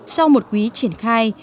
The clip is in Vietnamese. sau một quý triển khai